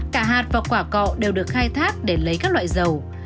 cả hạt và quả cọ đều được khai thác để lấy các loại dầu